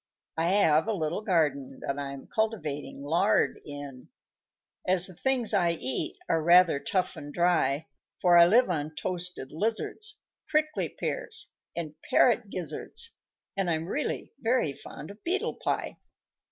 _ _I have a little garden That I'm cultivating lard in, As the things I eat are rather tough and dry; For I live on toasted lizards, Prickly pears, and parrot gizzards, And I'm really very fond of beetle pie.